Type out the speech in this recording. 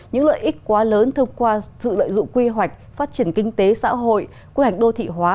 những lợi ích quá lớn thông qua sự lợi dụng quy hoạch phát triển kinh tế xã hội quy hoạch đô thị hóa